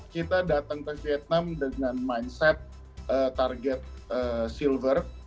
kita datang ke vietnam dengan mindset target silver